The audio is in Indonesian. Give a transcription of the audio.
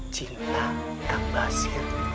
cinta dan basir